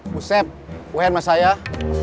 busep uhen mas ayah